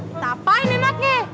kita apain emaknya